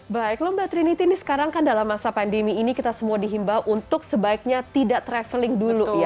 baik lho mbak trinity ini sekarang kan dalam masa pandemi ini kita semua dihimbau untuk sebaiknya tidak traveling dulu ya